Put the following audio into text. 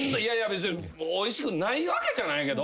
別においしくないわけじゃないけど。